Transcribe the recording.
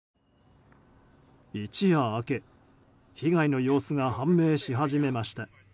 一夜明け、被害の様子が判明し始めました。